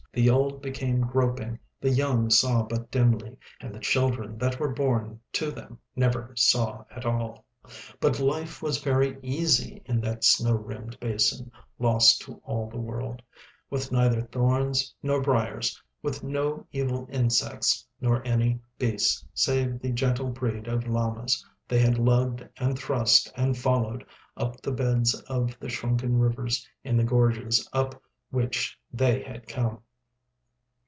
The old became groping, the young saw but dimly, and the children that were born to them never saw at all. But life was very easy in that snow rimmed basin, lost to all the world, with neither thorns nor briers, with no evil insects nor any beasts save the gentle breed of llamas they had lugged and thrust and followed up the beds of the shrunken rivers in the gorges up which they had come.